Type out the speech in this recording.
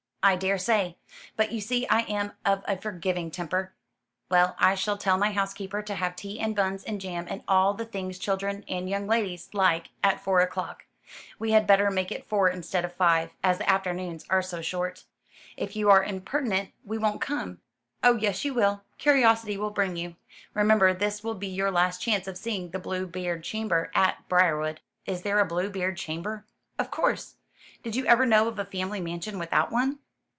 "I daresay. But you see I am of a forgiving temper. Well, I shall tell my housekeeper to have tea and buns, and jam, and all the things children and young ladies like, at four o'clock. We had better make it four instead of five, as the afternoons are so short." "If you are impertinent we won't come." "Oh yes you will. Curiosity will bring you. Remember this will be your last chance of seeing the Bluebeard chamber at Briarwood." "Is there a Bluebeard chamber?" "Of course. Did you ever know of a family mansion without one?"